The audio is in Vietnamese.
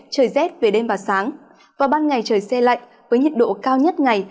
trời rét về đêm và sáng vào ban ngày trời xe lạnh với nhiệt độ cao nhất ngày